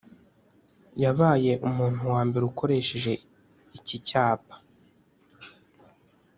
yabaye umuntu wa mbere ukoresheje iki cyapa